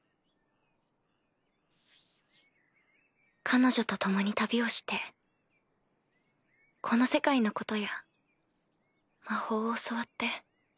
彼女と共に旅をしてこの世界のことや魔法を教わって。